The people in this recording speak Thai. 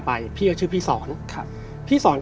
ผมเป็นพี่ส่ออน